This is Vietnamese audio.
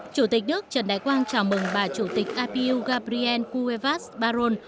chủ tịch nước trần đại quang chào mừng bà chủ tịch apu gabrielle cuevas barón